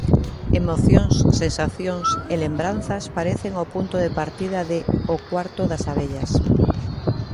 Emocións, sensacións e lembranzas parecen o punto de partida de O cuarto das abellas.